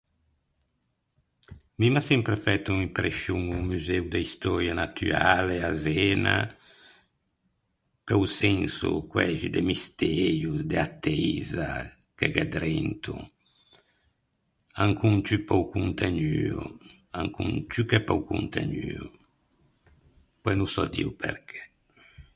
Mi m’à sempre fæto imprescion o museo de istöia natuale à Zena, pe-o senso quæxi de mistëio, de atteisa che gh’é drento, ancon ciù pe-o contegnuo. Ancon ciù che pe-o contegnuo. Pöi no sò dî o perché.